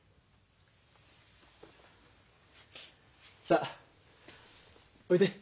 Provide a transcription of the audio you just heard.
さあおいで。